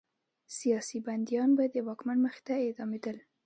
سیاسي بندیان به د واکمن مخې ته اعدامېدل.